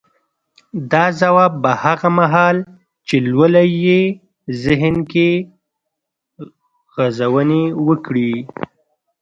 دا ځواب به هغه مهال چې لولئ يې ذهن کې غځونې وکړي.